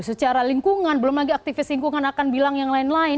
secara lingkungan belum lagi aktivis lingkungan akan bilang yang lain lain